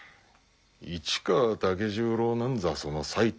市川武十郎なんざその最たる者。